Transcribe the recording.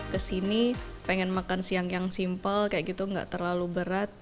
kesini pengen makan siang yang simple kayak gitu nggak terlalu berat